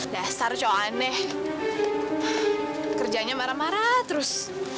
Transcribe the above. dasar cowok aneh kerjanya marah marah terus